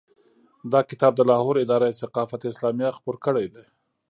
دا کتاب د لاهور اداره ثقافت اسلامیه خپور کړی دی.